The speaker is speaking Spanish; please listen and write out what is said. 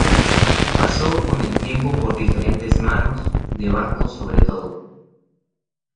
Pasó con el tiempo por diferentes manos, de bancos sobre todo.